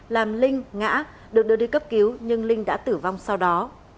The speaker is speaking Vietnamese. làm linh ngã được đưa đi cấp cứu nhưng linh đã tử vong sau đó